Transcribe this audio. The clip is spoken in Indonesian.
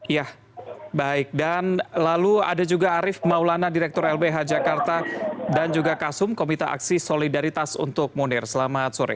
ya baik dan lalu ada juga arief maulana direktur lbh jakarta dan juga kasum komite aksi solidaritas untuk munir selamat sore